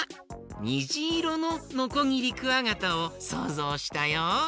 にじいろのノコギリクワガタをそうぞうしたよ。